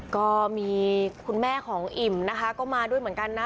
ก็มีคุณแม่ของอิ่มนะคะก็มาด้วยเหมือนกันนะ